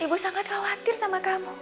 ibu sangat khawatir sama kamu